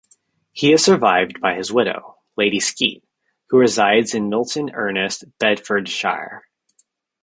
He is survived by his widow, Lady Skeet, who resides in Milton Ernest, Bedfordshire.